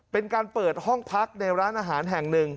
เป็นการเปิดห้องพักในร้านอาหารแห่งหนึ่ง